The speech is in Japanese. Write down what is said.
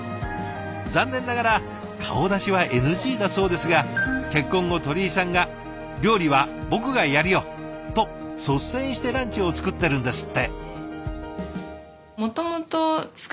残念ながら顔出しはＮＧだそうですが結婚後鳥居さんが「料理は僕がやるよ」と率先してランチを作ってるんですって。